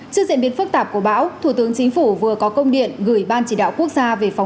trước diễn biến phức tạp của bão thủ tướng chính phủ vừa có công điện gửi ban chỉ đạo quốc gia về phòng